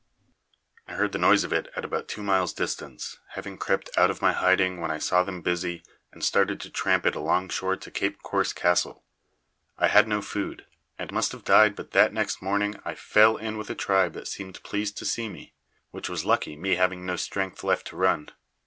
I heard the noise of it at about two miles' distance, having crept out of my hiding when I saw them busy, and started to tramp it along shore to Cape Corse Castle. I had no food, and must have died but that next morning I fell in with a tribe that seemed pleased to see me; which was lucky, me having no strength left to run.